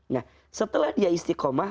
nah setelah dia istiqomah